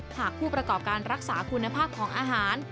หากผู้ประกอบการรักษาคุณภาพของอาหาร